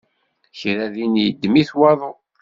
Kra din yeddem-it waḍu.